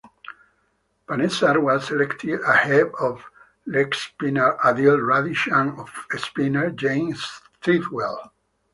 Panesar was selected ahead of legspinner Adil Rashid and offspinner James Tredwell.